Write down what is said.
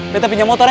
beta pinjam motor ya